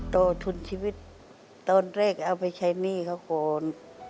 ต่อทุนชีวิตตอนแรกเอาไปใช้หนี้เขาก่อน